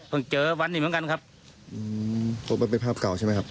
เจอวันนี้เหมือนกันครับเพราะมันเป็นภาพเก่าใช่ไหมครับ